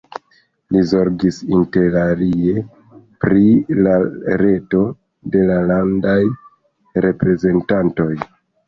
Li zorgis interalie pri la reto de la Landaj Reprezentantoj.